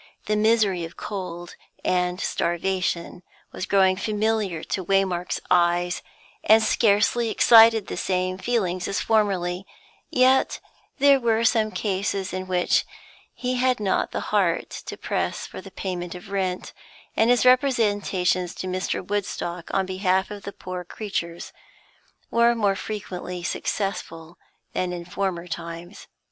The misery of cold and starvation was growing familiar to Waymark's eyes, and scarcely excited the same feelings as formerly; yet there were some cases in which he had not the heart to press for the payment of rent, and his representations to Mr. Woodstock on behalf of the poor creatures were more frequently successful than in former times.